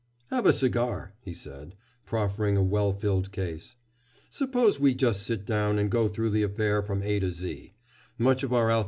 "Have a cigar," he said, proffering a well filled case. "Suppose we just sit down and go through the affair from A to Z.